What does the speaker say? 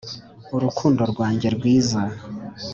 urukundo rwanjye rwiza